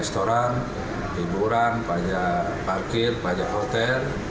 restoran hiburan pajak parkir pajak hotel